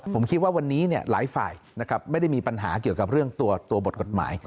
ผมคิดว่าวันนี้หลายฝ่ายนะครับไม่ได้มีปัญหาเกี่ยวกับเรื่องตัวบทกฎหมาย